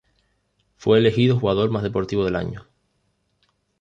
Fue elegido Jugador más Deportivo del año.